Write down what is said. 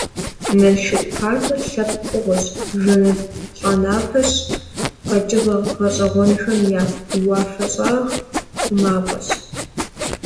Налшык паркыр лъэпкъ фӀыгъуэщ, жэнэт плӀанэпэщ, къэкӀыгъэ гъэщӀэгъуэнхэм я «уафэщӀагъ хъумапӀэщ».